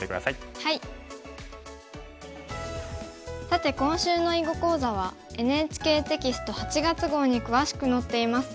さて今週の囲碁講座はＮＨＫテキスト８月号に詳しく載っています。